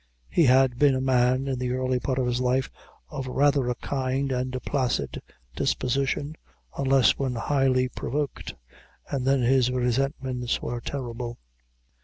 He had been a man, in the early part of his life, of rather a kind and placid disposition, unless when highly provoked, and then his resentments were terrible.